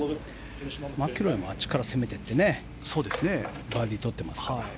マキロイもあっちから攻めていってバーディーを取ってますから。